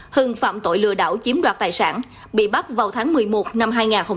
hưng phạm tội lừa đảo chiếm đoạt tài sản bị bắt vào tháng một mươi một năm hai nghìn hai mươi ba